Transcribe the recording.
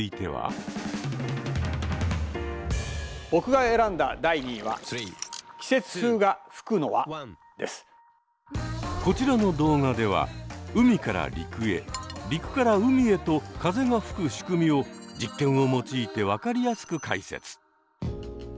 僕が選んだ第２位はこちらの動画では海から陸へ陸から海へと風がふく仕組みを実験を用いて分かりやすく解説。